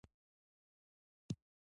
افغانستان د جواهرات له امله شهرت لري.